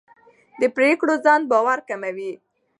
د پرېکړو ځنډ باور کموي